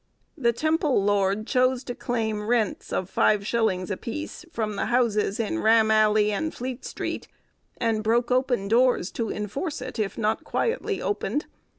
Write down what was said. The Temple lord chose to claim rents of 5_s._ a piece from the houses in Ram Alley and Fleet Street, and broke open doors to enforce it, if not quietly opened.